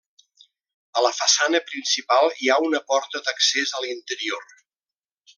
A la façana principal hi ha una porta d'accés a l'interior.